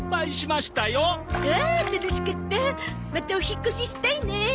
またお引っ越ししたいね。